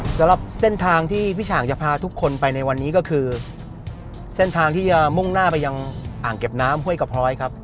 สำหรับเส้นทางที่พี่ฉ่างจะพาทุกคนไปในวันนี้ก็คือเส้นทางที่จะมุ่งหน้าไปยังอ่างเก็บน้ำห้วยกระพร้อยครับ